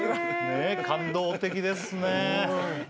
感動的ですね。